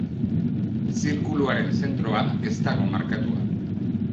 Zirkuluaren zentroa ez dago markatua.